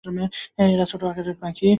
এরা ছোট আকারের পাখি।